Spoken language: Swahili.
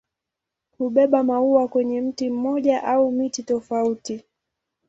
Hubeba maua kwenye mti mmoja au miti tofauti.